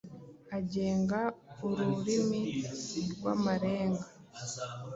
agenga ururimi rw’Amarenga,